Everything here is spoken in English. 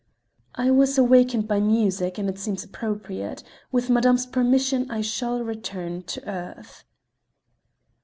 "I was awakened by music, and it seems appropriate. With madame's permission, I shall return to earth."